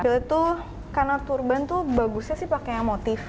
itu karena turban tuh bagusnya sih pake motif